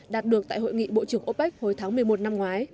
đạt được tại hội nghị bộ trưởng opec hồi tháng một mươi một năm ngoái